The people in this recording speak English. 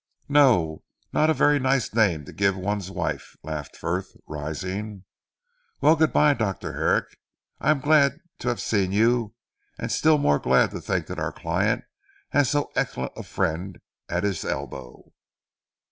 "No! not a very nice name to give one's wife," laughed Frith rising. "Well good bye Dr. Herrick. I am glad to have seen you, and still more glad to think that our client has so excellent a friend at his elbow."